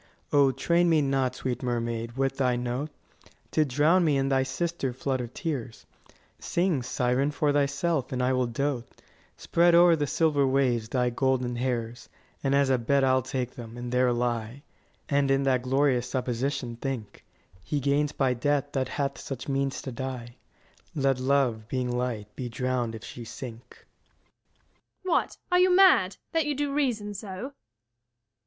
O, train me not, sweet mermaid, with thy note, 45 To drown me in thy sister flood of tears: Sing, siren, for thyself, and I will dote: Spread o'er the silver waves thy golden hairs, And as a bed I'll take them, and there lie; And, in that glorious supposition, think 50 He gains by death that hath such means to die: Let Love, being light, be drowned if she sink! Luc. What, are you mad, that you do reason so?